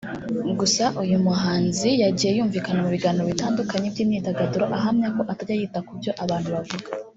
Gusa uyu muhanzi yagiye yumvikana mu biganiro bitandukanye by’imyidagaduro ahamya ko atajya yita ku byo abantu bavuga